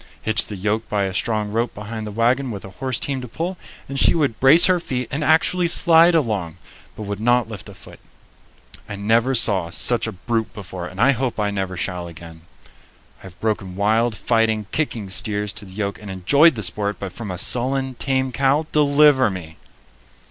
Hitch the yoke by a strong rope behind the wagon with a horse team to pull, and she would brace her feet and actually slide along, but would not lift a foot. I never saw such a brute before, and hope I never shall again. I have broken wild, fighting, kicking steers to the yoke and enjoyed the sport, but from a sullen, tame cow, deliver me!